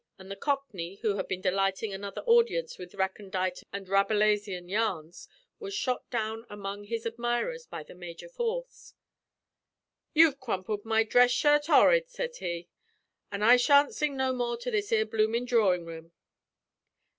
And the Cockney, who had been delighting another audience with recondite and Rabelaisian yarns, was shot down among his admirers by the major force. "You've crumpled my dress shirt 'orrid," said he; "an' I shan't sing no more to this 'ere bloomin' drawin' room."